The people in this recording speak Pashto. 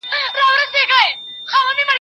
دا خپل عقل مي دښمن دی تل غمګین یم